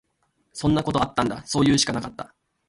そんなことあったんだ。そういうしかなかった。